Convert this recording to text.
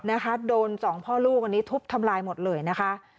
นะคะโดนสองพ่อลูกอันนี้ทุบทำลายหมดเลยนะคะ